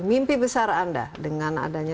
mimpi besar anda dengan adanya